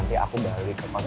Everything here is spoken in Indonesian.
nanti aku balik ke posisinya